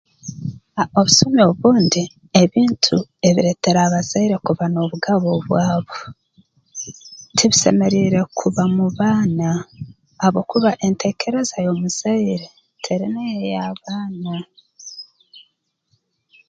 Ah obusumi obundi ebintu ebireetera abazaire kuba n'obugabe obwabo tibisemeriire kuba mu baana habwokuba enteekereza y'omuzaire teri niyo ey'abaana